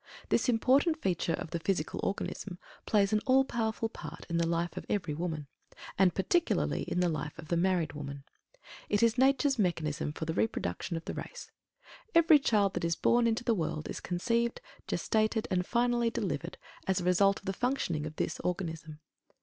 This important feature of the physical organism plays an all powerful part in the life of every woman, and particularly in the life of the married woman. It is nature's mechanism for the reproduction of the race. Every child that is born into the world is conceived, gestated, and finally delivered as a result of the functioning of this organism.